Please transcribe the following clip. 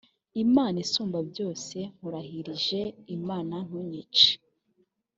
imana isumba byose. nkurahirije imana ntunyice